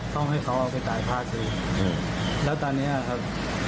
ต้องให้เขาเอาไปจ่ายภาษีอืมแล้วตอนนี้อะครับ